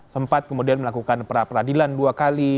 sempat kemudian melakukan pra peradilan dua kali